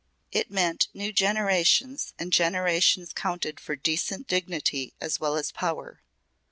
"It meant new generations, and generations counted for decent dignity as well as power.